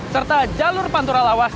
serta jalur pantura lawas